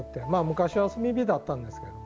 昔は炭火だったんですけども。